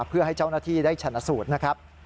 เพื่อให้เจ้าหน้าที่ได้ชนะสูตรนะครับ